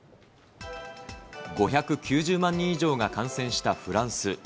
５９０万人以上が感染したフランス。